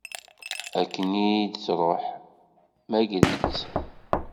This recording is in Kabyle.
Akken i k-d-tṛuḥ, mmager-itt.